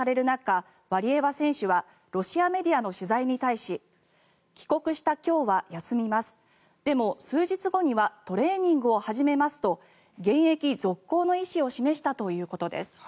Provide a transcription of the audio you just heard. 中ワリエワ選手はロシアメディアの取材に対し帰国した今日は休みますでも、数日後にはトレーニングを始めますと現役続行の意思を示したということです。